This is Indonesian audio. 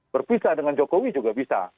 berpisah dengan jokowi juga bisa